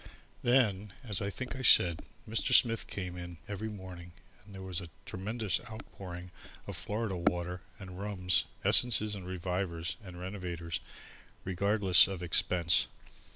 Then, as I think I said, Mr. Smith came in every morning and there was a tremendous outpouring of Florida water and rums, essences and revivers and renovators, regardless of expense.